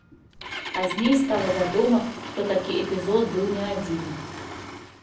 Пазней стала вядома, што такі эпізод быў не адзін.